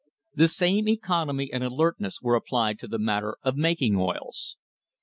The same economy and alertness were applied to the matter of making oils.